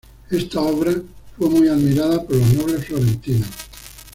Esta obra fue muy admirada por los nobles florentinos.